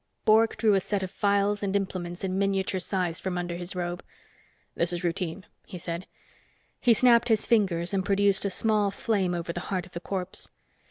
Bork drew a set of phials and implements in miniature size from under his robe. "This is routine," he said. He snapped his fingers and produced a small flame over the heart of the corpse.